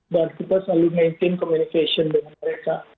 dan kita selalu maintain communication dengan mereka